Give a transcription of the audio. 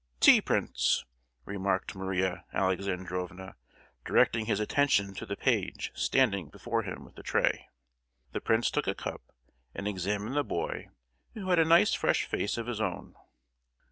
"Tea! prince," remarked Maria Alexandrovna, directing his attention to the page standing before him with the tray. The prince took a cup, and examined the boy, who had a nice fresh face of his own.